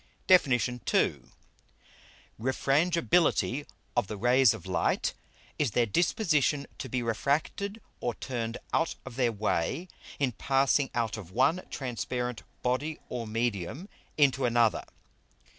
DEFIN. II. _Refrangibility of the Rays of Light, is their Disposition to be refracted or turned out of their Way in passing out of one transparent Body or Medium into another.